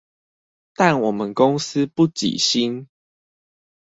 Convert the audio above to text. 但我們公司不給薪